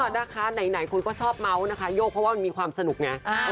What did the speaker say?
นะคะไหนคุณก็ชอบเมาส์นะคะโยกเพราะว่ามันมีความสนุกไง